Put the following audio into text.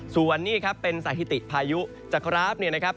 ส่วนนี้ครับเป็นสถิติพายุจากกราฟเนี่ยนะครับ